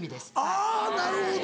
あぁなるほど。